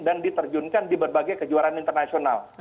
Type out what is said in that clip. dan diterjunkan di berbagai kejuaraan internasional